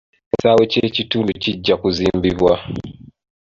Ekisaawe ky'ekitundu kijja kuzimbibwa.